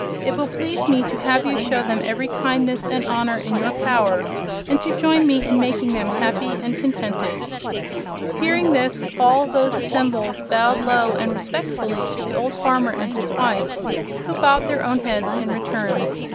It will please me to have you show them every kindness and honor in your power, and to join me in making them happy and contented." Hearing this, all those assembled bowed low and respectfully to the old farmer and his wife, who bobbed their own heads in return.